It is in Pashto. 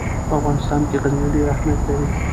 په افغانستان کې غزني ډېر اهمیت لري.